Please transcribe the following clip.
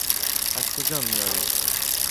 از کجا میآیی؟